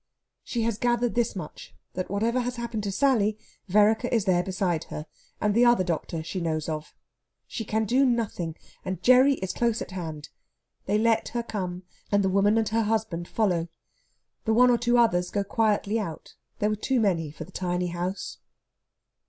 She has gathered this much that whatever has happened to Sally, Vereker is there beside her, and the other doctor she knows of. She can do nothing, and Gerry is close at hand. They let her come, and the woman and her husband follow. The one or two others go quietly out; there were too many for the tiny house.